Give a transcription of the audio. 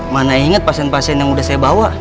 mana ingat pasien pasien yang udah saya bawa